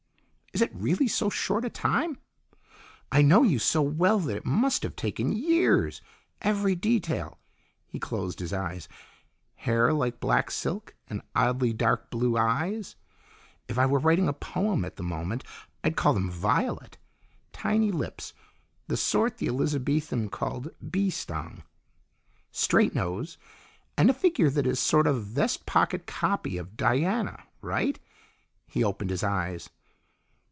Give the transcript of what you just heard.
"Is it really so short a time? I know you so well that it must have taken years. Every detail!" He closed his eyes. "Hair like black silk, and oddly dark blue eyes if I were writing a poem at the moment, I'd call them violet. Tiny lips, the sort the Elizabethan called bee stung. Straight nose, and a figure that is a sort of vest pocket copy of Diana. Right?" He opened his eyes.